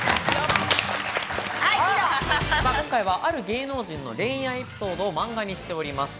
今回は、ある芸能人の恋愛エピソードを漫画にしております。